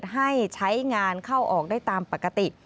ให้ใช้งานเข้าออกได้ตามปกติ